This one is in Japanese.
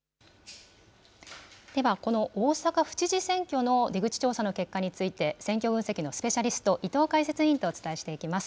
では、この大阪府知事選挙の出口調査の結果について、選挙分析のスペシャリスト、伊藤解説委員とお伝えしていきます。